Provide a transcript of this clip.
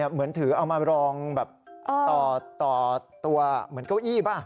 เหมือนถือเอามารองแบบต่อตัวเหมือนเก้าอี้ป่ะ